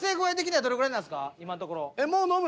今のところ。